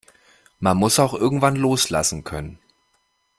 Man muss auch irgendwann loslassen können.